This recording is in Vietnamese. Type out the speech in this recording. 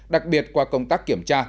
đặc biệt qua công tác kiểm tra